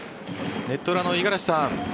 ネット裏の五十嵐さん